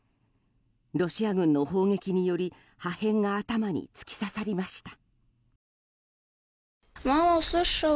ロシア軍の砲撃により破片が頭に突き刺さりました。